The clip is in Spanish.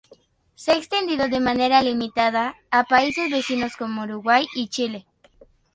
Se ha extendido, de manera limitada, a países vecinos como Uruguay y Chile.